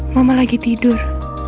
mama lagi tidur